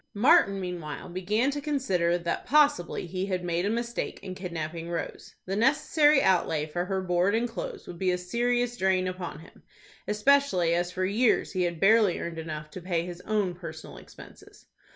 Martin, meanwhile, began to consider that possibly he had made a mistake in kidnapping Rose. The necessary outlay for her board and clothes would be a serious drain upon him, especially as for years he had barely earned enough to pay his own personal expenses.